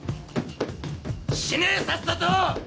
死ねさっさと！